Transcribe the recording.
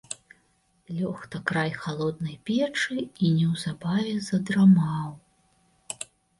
Лёг на край халоднай печы і неўзабаве задрамаў.